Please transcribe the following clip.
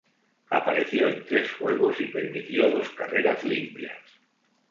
Apareció en tres juegos y permitió dos carreras limpias.